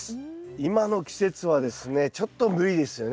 今の季節はですねちょっと無理ですよね。